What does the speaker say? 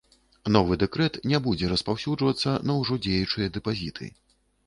Новы дэкрэт не будзе распаўсюджвацца на ўжо дзеючыя дэпазіты.